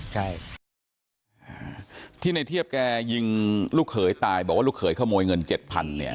ใช่ที่ในเทียบแกยิงลูกเขยตายบอกว่าลูกเขยขโมยเงินเจ็ดพันเนี่ย